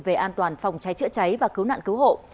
về an toàn phòng cháy chữa cháy và cứu nạn cứu hộ